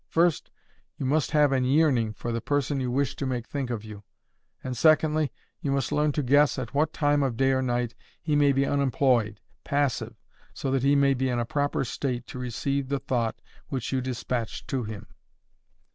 First, you must have an yearning for the person you wish to make think of you; and secondly, you must learn to guess at what time of day or night he may be unemployed, passive, so that he be in a proper state to receive the thought which you dispatch to him.